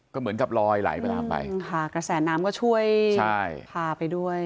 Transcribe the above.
ก็เหมือนกับลอยไหลไปตามไปกระแสน้ำก็ช่วยใช่พาไปด้วย